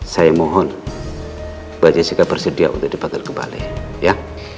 saya mohon bajasika bersedia untuk dibangun kembali ya